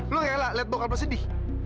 lu rela liat bokap lu sedih